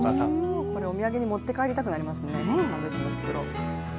これ、お土産に持って帰りたくなりますね、この袋。